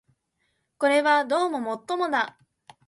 これはどうも尤もだ